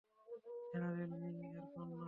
General Ming এর কন্যা!